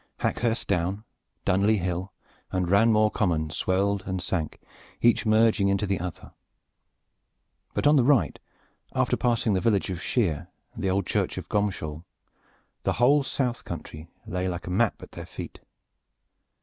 Hackhurst Down, Dunley Hill, and Ranmore Common swelled and sank, each merging into the other. But on the right, after passing the village of Shere and the old church of Gomshall, the whole south country lay like a map at their feet.